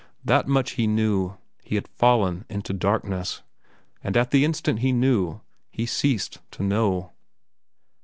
That much he knew. He had fallen into darkness. And at the instant he knew, he ceased to know.